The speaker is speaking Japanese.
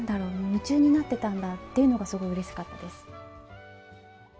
夢中になってたんだっていうのがすごいうれしかったです。